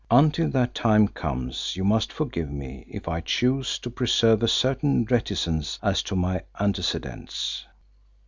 Until that time comes, you must forgive me if I choose to preserve a certain reticence as to my antecedents."